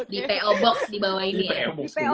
di po box di bawah ini ya